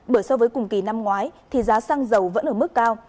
bởi so với cùng kỳ năm ngoái thì giá xăng dầu vẫn ở mức cao